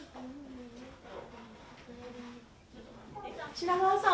品川さん